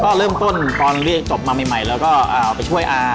ก็เริ่มต้นตอนเรียกจบมาใหม่แล้วก็ไปช่วยอา